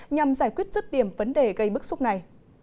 nhằm giải quyết rứt điểm vấn đề gây bức xúc này